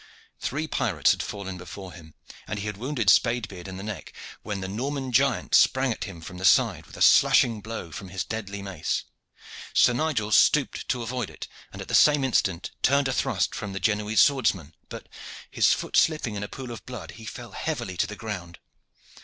Three pirates had fallen before him, and he had wounded Spade beard in the neck, when the Norman giant sprang at him from the side with a slashing blow from his deadly mace. Sir Nigel stooped to avoid it, and at the same instant turned a thrust from the Genoese swordsman, but, his foot slipping in a pool of blood, he fell heavily to the ground.